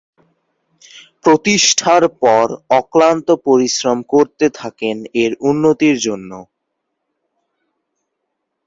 প্রতিষ্ঠার পর অক্লান্ত পরিশ্রম করতে থাকেন এর উন্নতির জন্য।